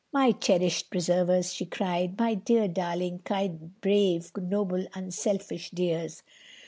"My cherished preservers," she cried, "my dear, darling, kind, brave, noble, unselfish dears!"